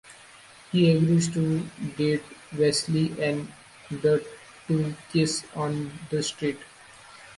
He agrees to date Wesley and the two kiss on the street.